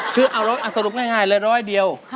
คือเอาสรุปง่ายเลยร้อยเดียว